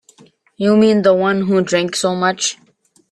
You mean the one who drank so much?